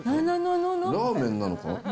ラーメンなのか？